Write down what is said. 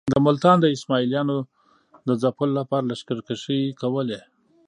د ملتان د اسماعیلیانو د ځپلو لپاره لښکرکښۍ کولې.